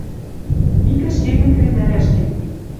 Ик ӹшкетӹн кредӓлӓш гӹнь